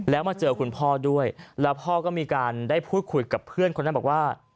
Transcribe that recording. แล้วมาเจอคุณพ่อด้วยแล้วพ่อก็มีการได้พูดคุยกับเพื่อนคนนั้นบอกว่า